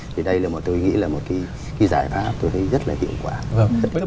thì tôi nghĩ đây là một giải pháp rất là hữu ích